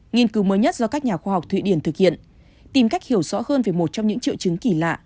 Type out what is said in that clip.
nghiên cứu mới nhất do các nhà khoa học thụy điển thực hiện tìm cách hiểu rõ hơn về một trong những triệu chứng kỳ lạ